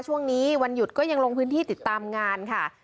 วันหยุดก็ยังลงพื้นที่ติดตามงานค่ะ